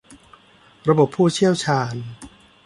ระบบผู้เชี่ยวชาญ